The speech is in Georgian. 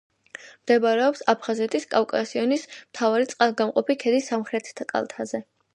მდებარეობს აფხაზეთის კავკასიონის მთავარი წყალგამყოფი ქედის სამხრეთ კალთაზე.